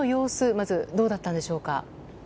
まず、どうだったんでしょうか。